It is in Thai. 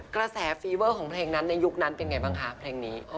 แฟเวอร์ของเพลงนั้นในยุคนั้นเป็นไงบ้างคะเพลงนี้